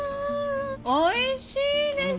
おいしいです！